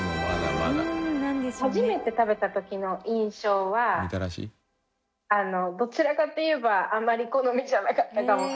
初めて食べた時の印象はどちらかといえばあんまり好みじゃなかったかも。